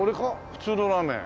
普通のラーメン。